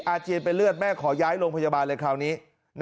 อาเจียนเป็นเลือดแม่ขอย้ายโรงพยาบาลเลยคราวนี้